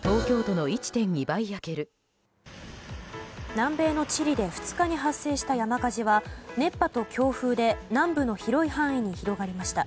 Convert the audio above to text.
南米のチリで２日に発生した山火事は熱波と強風で南部の広い範囲に広がりました。